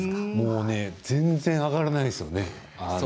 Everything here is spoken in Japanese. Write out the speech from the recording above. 全然上がらないんですよね。